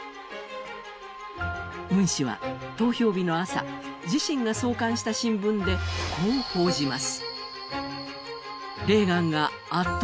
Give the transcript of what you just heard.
ムン氏は、投票日の朝、自身が創刊した新聞でこう報じます。